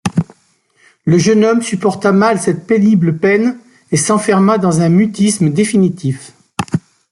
Le jeune homme supporta mal cette pénible peine et s’enferma dans un mutisme définitif.